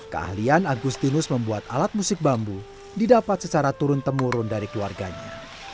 keahlian agustinus membuat alat musik bambu didapat secara turun temurun dari keluarganya